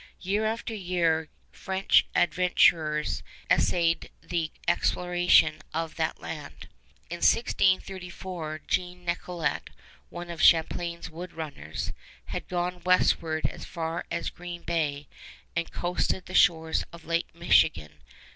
Year after year young French adventurers essayed the exploration of that land. In 1634 Jean Nicolet, one of Champlain's wood runners, had gone westward as far as Green Bay and coasted the shores of Lake Michigan.